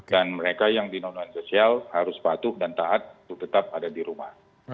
dan mereka yang di non non sosial harus patuh dan taat untuk tetap ada di rumah